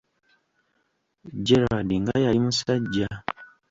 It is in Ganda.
Gerald nga yali musajja!